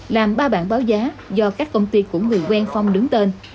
làm ba bản báo giá do các công ty của người quen phong đứng tên